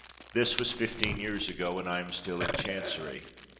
This was fifteen years ago—and I am still in Chancery!